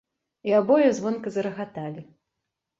І абое звонка зарагаталі.